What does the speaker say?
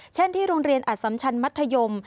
เช่นที่ร่วงเรียนอัสซ้ำชันมัธยม